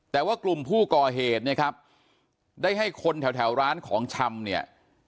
แต่ว่ากลุ่มผู้ก่อเหตุเนี่ยครับได้ให้คนแถวร้านของชำเนี่ย